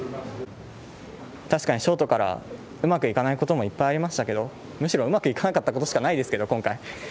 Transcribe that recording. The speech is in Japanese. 確かにショートからうまくいかないこともいっぱいありましたけどむしろうまくいかなかったことしかないですけど、今回。